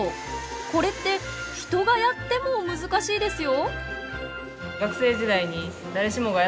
これって人がやっても難しいですよ。